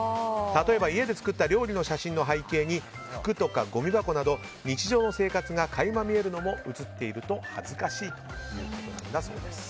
例えば家で作った料理の写真の背景に、服とかごみ箱など日常の生活が垣間見えるものが写っていると恥ずかしいということだそうです。